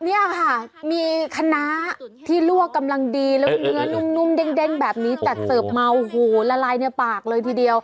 เนี่ยค่ะมีคณะที่ลวกกำลังดีแล้วเนื้อนุ่มเด้งแบบนี้จัดเสิร์ฟเมาโอ้โหละลายในปากเลยทีเดียว